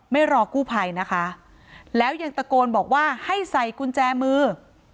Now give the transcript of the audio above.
ไม่รอกู้ภัยนะคะแล้วยังตะโกนบอกว่าให้ใส่กุญแจมือ